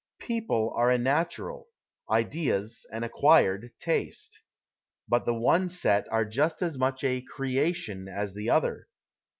" People "' are a natural, ideas an acquired, taste. But the one set are just as much a " creation "" as the other.